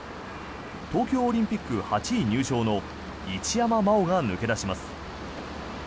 東京オリンピック８位入賞の一山麻緒が抜け出します。